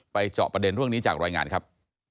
เจาะประเด็นเรื่องนี้จากรายงานครับ